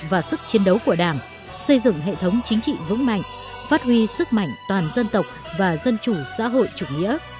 và sức chiến đấu của đảng xây dựng hệ thống chính trị vững mạnh phát huy sức mạnh toàn dân tộc và dân chủ xã hội chủ nghĩa